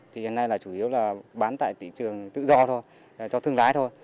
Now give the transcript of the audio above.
thì hiện nay là chủ yếu là bán tại thị trường tự do thôi cho thương lái thôi